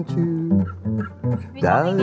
มีคนเดียว